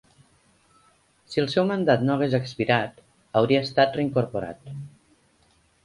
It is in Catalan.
Si el seu mandat no hagués expirat, hauria estat reincorporat.